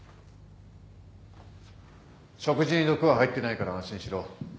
食事に毒は入ってないから安心しろ。